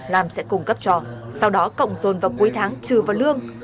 lam sẽ cung cấp cho sau đó cộng dồn vào cuối tháng trừ vào lương